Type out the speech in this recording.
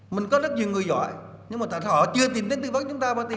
mình có rất nhiều người giỏi nhưng mà họ chưa tìm đến tư vấn chúng ta và tìm nước ngoài